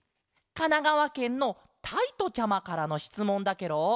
かながわけんのたいとちゃまからのしつもんだケロ。